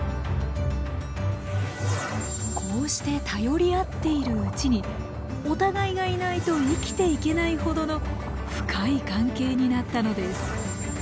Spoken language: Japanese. こうして頼り合っているうちにお互いがいないと生きていけないほどの深い関係になったのです。